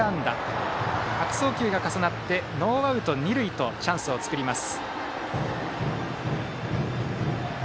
これに悪送球が重なってノーアウト、二塁とチャンスを作ります。